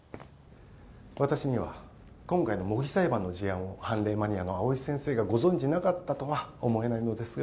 私には今回の模擬裁判の事案を判例マニアの藍井先生がご存じなかったとは思えないのですが。